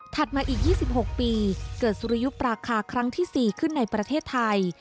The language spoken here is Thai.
มาอีก๒๖ปีเกิดสุริยุปราคาครั้งที่๔ขึ้นในประเทศไทย